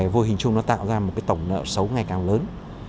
vô hình chung nó tạo ra một cái tổng nợ xấu ngày càng lớn